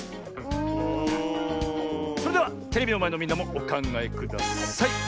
それではテレビのまえのみんなもおかんがえください！